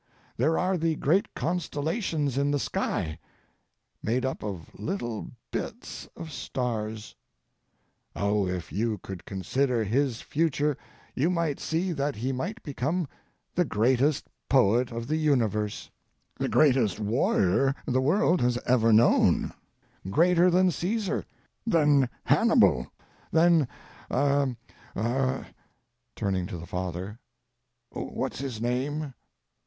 There are the great constellations in the sky, made up of little bits of stars. Oh, if you could consider his future you might see that he might become the greatest poet of the universe, the greatest warrior the world has ever known, greater than Caesar, than Hannibal, than—er—er" (turning to the father)—"what's his name?"